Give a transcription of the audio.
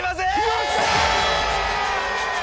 よっしゃー！